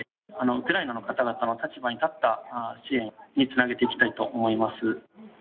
ウクライナの方々の立場に立った支援につなげていきたいと思います。